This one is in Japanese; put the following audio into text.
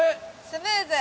スムーズ。